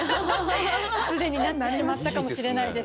既になってしまったかもしれないです。